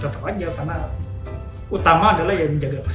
contoh aja karena utama adalah ya menjaga kesehatan itu protokol itu